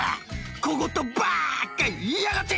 小言ばっか言いやがって！